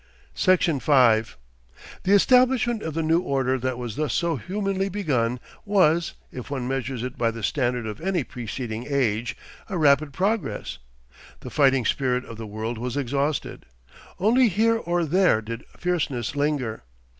Section 5 The establishment of the new order that was thus so humanly begun, was, if one measures it by the standard of any preceding age, a rapid progress. The fighting spirit of the world was exhausted. Only here or there did fierceness linger.